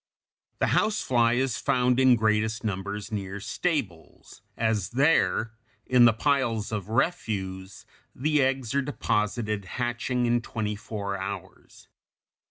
The house fly is found in greatest numbers near stables, as there, in the piles of refuse, the eggs are deposited, hatching in twenty four hours.